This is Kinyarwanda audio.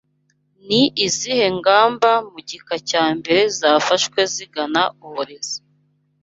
Ni izihe ngamba mu gika cya mbere zafashwe zigana uburezi